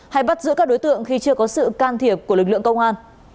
hay bắt giữ các đối tượng khi chưa có sự can thiệp của lực lượng công an